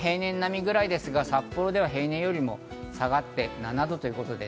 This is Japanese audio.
東京、福岡は平年並みぐらいですが札幌では平年よりも下がって７度。